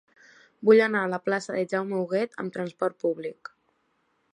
Vull anar a la plaça de Jaume Huguet amb trasport públic.